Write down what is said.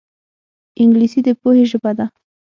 انګلیسي د پوهې ژبه ده